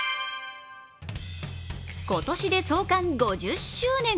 今年で創刊５０周年。